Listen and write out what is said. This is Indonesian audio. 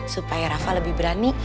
supaya rafa lebih berani